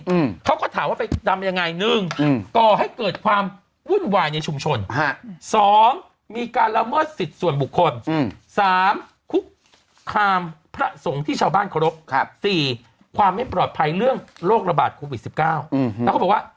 อืมเขาก็ถามว่าไปดำยังไงหนึ่งอืมก่อให้เกิดความวุ่นวายในชุมชนฮะสองมีการละเมิดสิทธิ์ส่วนบุคคลอืม